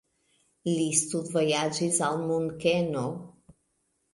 Li studvojaĝis al Munkeno.